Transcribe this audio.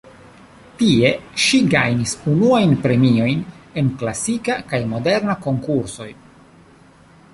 Tie ŝi gajnis unuajn premiojn en klasika kaj moderna konkursoj.